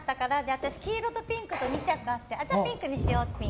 私は黄色とピンクの２着あってじゃあ、ピンクにしようって。